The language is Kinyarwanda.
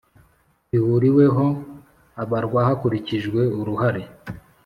bihuriweho abarwa hakurikijwe uruhare